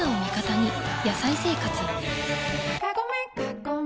「野菜生活」